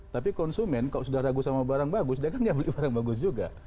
tapi konsumen kalau sudah ragu sama barang bagus dia kan ya beli barang bagus juga